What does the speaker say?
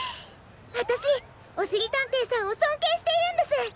わたしおしりたんていさんをそんけいしているんです。